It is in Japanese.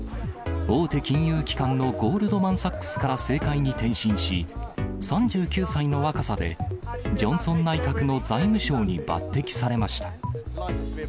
大手金融機関のゴールドマンサックスから政界に転身し、３９歳の若さで、ジョンソン内閣の財務相に抜てきされました。